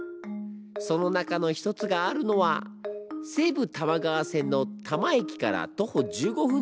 その中の一つがあるのは西武多摩川線の多磨駅から徒歩１５分